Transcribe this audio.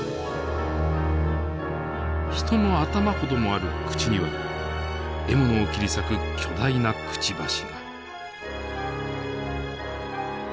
人の頭ほどもある口には獲物を切り裂く巨大なくちばしが。